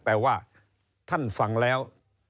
แต่ว่าท่านฟังแล้ว